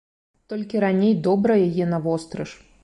Толькі раней добра яе навострыш.